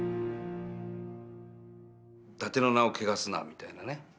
「伊達の名を汚すな」みたいなね。